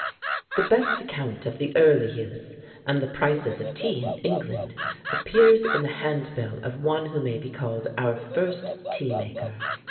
The best account of the early use, and the prices of tea in England, appears in the handbill of one who may be called our first Tea maker.